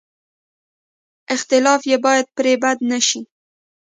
اختلاف یې باید پرې بد نه شي.